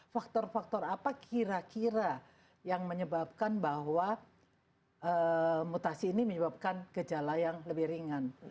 faktor faktor apa kira kira yang menyebabkan bahwa mutasi ini menyebabkan gejala yang lebih ringan